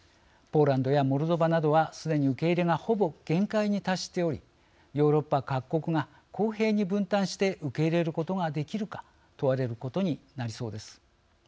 ポーランドやモルドバなどはすでに受け入れがほぼ限界に達しておりヨーロッパ各国が公平に分担して受け入れることができるか問われることになりそうです。